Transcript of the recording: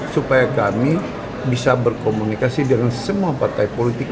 supaya kami bisa berkomunikasi dengan semua partai politik